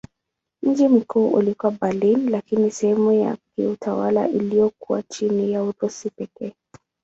Mji mkuu ulikuwa Berlin lakini sehemu ya kiutawala iliyokuwa chini ya Urusi pekee.